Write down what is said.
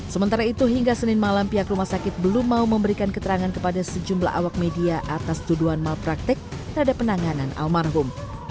sementara itu hingga senin malam pihak rumah sakit belum mau memberikan keterangan kepada sejumlah awak media atas tuduhan malpraktek terhadap penanganan almarhum